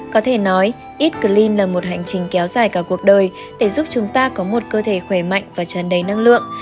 có thể nói ít clin là một hành trình kéo dài cả cuộc đời để giúp chúng ta có một cơ thể khỏe mạnh và tràn đầy năng lượng